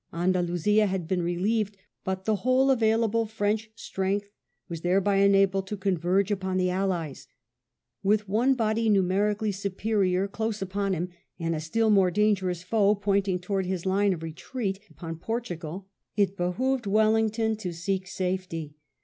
Andalusia had been relieved, but the whole available French strength was thereby enabled to converge upon the Allies. With one body numerically superior close upon him, and a still more dangerous foe pointing towards his line of retreat upon Portugal, it behoved Wellington to seek safety.